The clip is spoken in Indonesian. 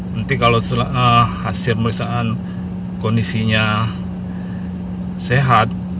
nanti kalau hasil pemeriksaan kondisinya sehat